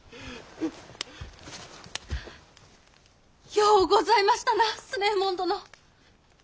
ようございましたな強右衛門殿！